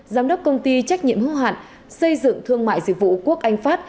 giám đốc công ty trách nhiệm hương hạn xây dựng thương mại dịch vụ quốc anh phát